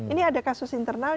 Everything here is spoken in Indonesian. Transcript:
ini ada kasus internal